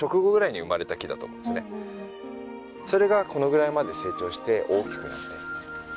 それがこのぐらいまで成長して大きくなって。